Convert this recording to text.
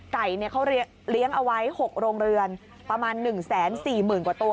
ไก่เขาเลี้ยงเอาไว้๖โรงเรือนประมาณ๑๔๐๐๐กว่าตัว